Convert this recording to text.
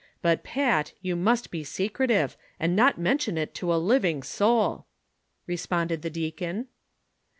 But, Pat, you must be secretive, and not mention it to a living soul," responded the deacon.